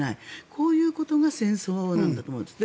こういうことが戦争なんだと思うんです。